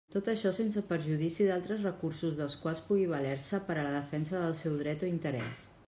Tot això sense perjudici d'altres recursos dels quals pugui valer-se per a la defensa del seu dret o interès.